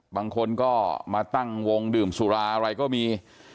บางคนก็มาตั้งวงดื่มสุราอะไรก็มี